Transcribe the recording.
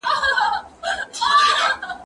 سبزیجات تيار کړه،